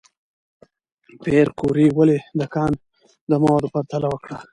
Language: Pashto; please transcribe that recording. پېیر کوري ولې د کان د موادو پرتله وکړه؟